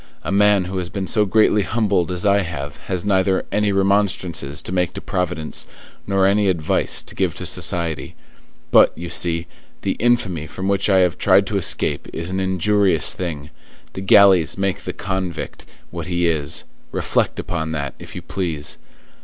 a man who has been so greatly humbled as I have has neither any remonstrances to make to Providence, nor any advice to give to society; but, you see, the infamy from which I have tried to escape is an injurious thing; the galleys make the convict what he is; reflect upon that, if you please.